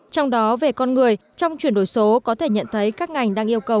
trong đó về con người trong chuyển đổi số có thể nhận thấy các ngành đang yêu cầu